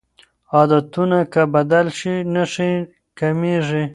عادتونه که بدل شي نښې کمېږي.